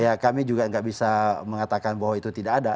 ya kami juga nggak bisa mengatakan bahwa itu tidak ada